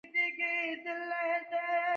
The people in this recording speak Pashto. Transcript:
عبدالهادى مې نو د راز ملگرى او پوخ انډيوال و.